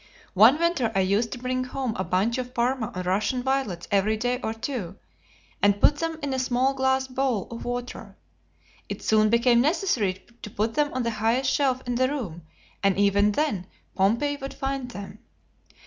One winter I used to bring home a bunch of Parma or Russian violets every day or two, and put them in a small glass bowl of water. It soon became necessary to put them on the highest shelf in the room, and even then Pompey would find them.